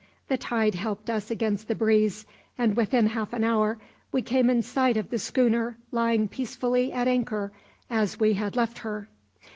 The tide helped us against the breeze and within half an hour we came in sight of the schooner lying peacefully at anchor as we had left her.